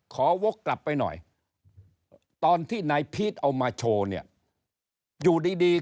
วกกลับไปหน่อยตอนที่นายพีชเอามาโชว์เนี่ยอยู่ดีดี